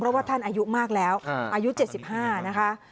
เพราะว่าท่านอายุมากแล้วอายุ๗๕นะคะ